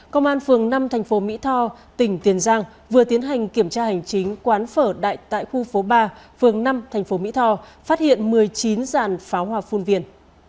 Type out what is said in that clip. công an phường năm thành phố mỹ tho tỉnh tiền giang vừa tiến hành kiểm tra hành chính quán phở đại tại khu phố ba phường năm thành phố mỹ tho phát hiện một mươi chín dàn pháo hoa phun viên